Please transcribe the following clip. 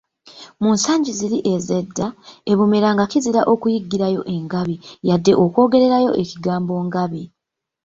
Mu nsangi ziri ez'edda, e Bumera nga kizira okuyiggirayo engabi, yadde okwogererayo ekigambo Ngabi.